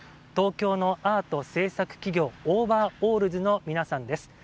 東京のアート制作企業オーバーオールズの皆さんです。